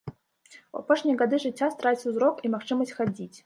У апошнія гады жыцця страціў зрок і магчымасць хадзіць.